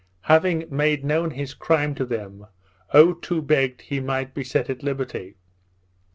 Having made known his crime to them, Otoo begged he might be set at liberty.